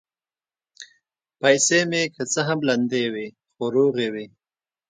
پیسې مې که څه هم لندې وې، خو روغې وې.